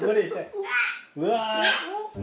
うわ。